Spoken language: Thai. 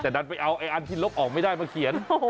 แต่ดันไปเอาอันที่ลบออกไม่ได้มาเขียน